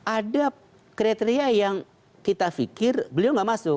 ada kriteria yang kita pikir beliau nggak masuk